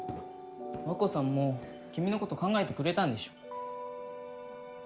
和子さんも君のこと考えてくれたんでしょ。